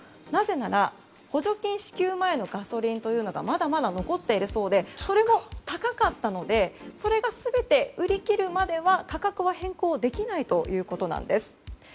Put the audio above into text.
なぜなら、補助金支給前のガソリンというのが残っているそうでそれも高かったのでそれを全て売り切るまでは価格は変更できないということです。